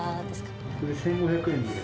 これ、１５００円です。